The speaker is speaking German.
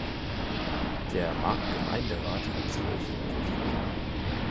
Der Marktgemeinderat hat zwölf Mitglieder.